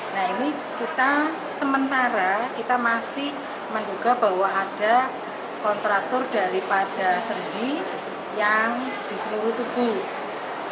nah ini kita sementara kita masih menduga bahwa ada kontraktor daripada seri yang di seluruh tubuh